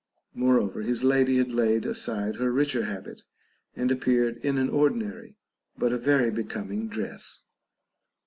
Moreover, his lady had laid aside her richer habit, and appeared in an ordinary, but a very becoming dress.